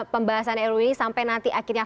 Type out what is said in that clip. pembalasan ruu ini sampai nanti akhirnya